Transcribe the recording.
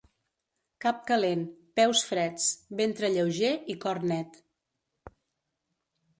Cap calent, peus freds, ventre lleuger i cor net.